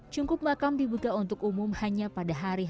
cungkup makam dibegak untuk umum hanya pada hari ini